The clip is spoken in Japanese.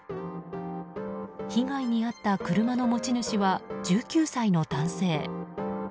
被害に遭った車の持ち主は１９歳の男性。